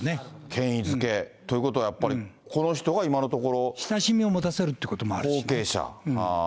権威づけ。ということはやっぱり、この人が親しみを持たせるということ後継者。